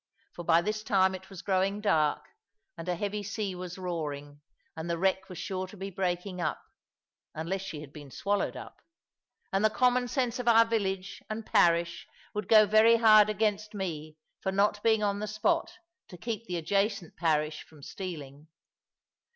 For by this time it was growing dark; and a heavy sea was roaring; and the wreck was sure to be breaking up, unless she had been swallowed up. And the common sense of our village, and parish, would go very hard against me for not being on the spot to keep the adjacent parish from stealing.